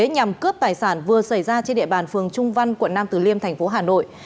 nhằm cướp tài sản vừa xảy ra trên địa bàn phường trung văn quận nam tử liêm thành phố hà nội